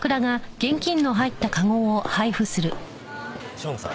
生野さん